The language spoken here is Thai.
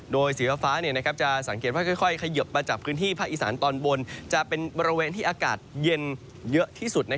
โดยสีฟ้าจะสังเกตว่าค่อยเขยิบมาจากพื้นที่ภาคอีสานตอนบนจะเป็นบริเวณที่อากาศเย็นเยอะที่สุด